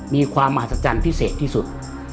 มีความมหัศจรรย์พิเศษที่สุด